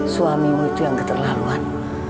suami mu itu yang keterlaluan